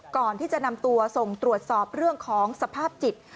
ก่อนที่จะนำตัวส่งตรวจสอบเรื่องของสภาพจิต